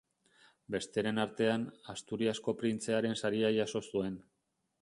Besteren artean, Asturiasko Printzearen Saria jaso zuen.